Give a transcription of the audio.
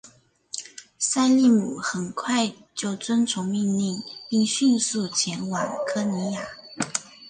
塞利姆很快就遵从命令并迅速前往科尼亚。